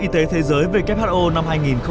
y tế thế giới who năm hai nghìn một mươi bốn